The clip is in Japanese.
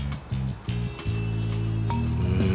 うん。